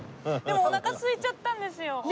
でもお腹すいちゃったんですよ。